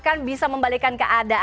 dan seperti mana